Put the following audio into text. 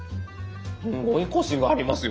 すごいコシがありますよ！